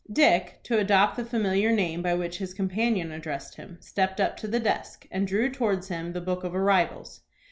Dick, to adopt the familiar name by which his companion addressed him, stepped up to the desk, and drew towards him the book of arrivals.